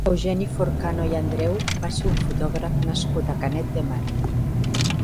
Eugeni Forcano i Andreu va ser un fotògraf nascut a Canet de Mar.